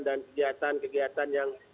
dan kegiatan kegiatan yang